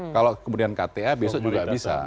kalau kemudian kta besok juga bisa